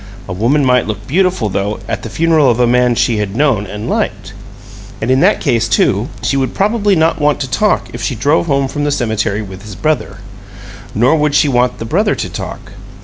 A woman might look beautiful, though, at the funeral of a man whom she had known and liked. And in that case, too, she would probably not want to talk if she drove home from the cemetery with his brother: nor would she want the brother to talk.